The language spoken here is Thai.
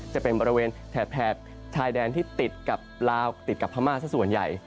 จะเป็นบริเวณแถบชายแดนที่ติดกับลาวติดกับพม่าสักส่วนใหญ่